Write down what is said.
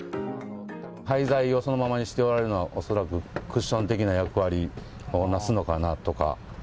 廃材をそのままにしておられるのは、恐らくクッション的な役割を成すのかなとか。